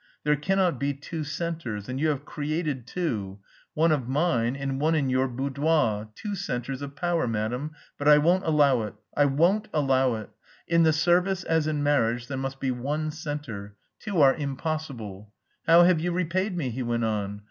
There cannot be two centres, and you have created two one of mine and one in your boudoir two centres of power, madam, but I won't allow it, I won't allow it! In the service, as in marriage, there must be one centre, two are impossible.... How have you repaid me?" he went on.